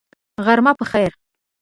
غرمه په خیر !